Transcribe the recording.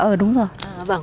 ờ đúng rồi